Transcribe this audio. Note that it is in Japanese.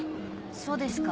そうですか。